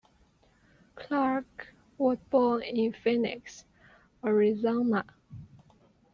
Clarke was born in Phoenix, Arizona.